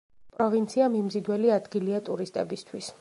პროვინცია მიმზიდველი ადგილია ტურისტებისთვის.